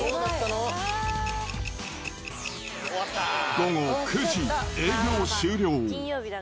午後９時、営業終了。